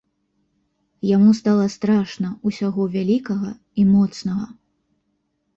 Яму стала страшна ўсяго вялікага і моцнага.